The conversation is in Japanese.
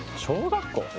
小学校？